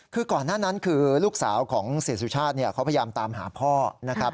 คือก่อนหน้านั้นคือลูกสาวของเศรษฐศาสตร์เนี่ยเขาพยายามตามหาพ่อนะครับ